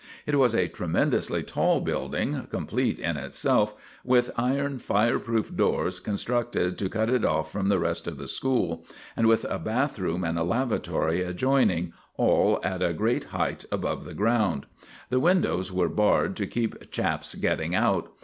It was a tremendously tall building, complete in itself, with iron fire proof doors constructed to cut it off from the rest of the school, and with a bath room and a lavatory adjoining, all at a great height above the ground. The windows were barred to keep chaps getting out.